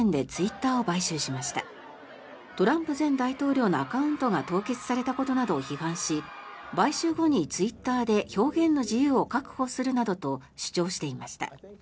トランプ前大統領のアカウントが凍結されたことなどを批判し買収後にツイッターで表現の自由を確保するなどと主張していました。